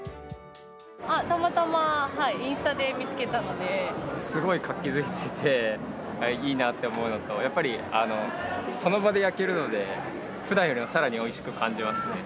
たまたまインスタで見つけたすごい活気づいてて、いいなって思うのと、やっぱり、その場で焼けるので、ふだんよりさらにおいしく感じますね。